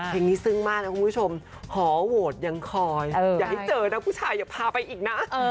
เพลงนี้ซึ้งมากนะคุณผู้ชมหอโหวตยังคอยอย่าให้เจอนะผู้ชายอย่าพาไปอีกนะ